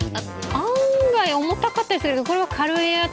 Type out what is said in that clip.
案外重たかったりするけど、これは軽いやつ？